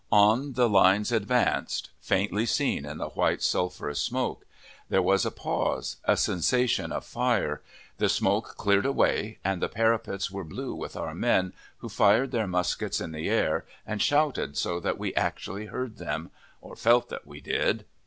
On the lines advanced, faintly seen in the white, sulphurous smoke; there was a pause, a cessation of fire; the smoke cleared away, and the parapets were blue with our men, who fired their muskets in the air, and shouted so that we actually heard them, or felt that we did.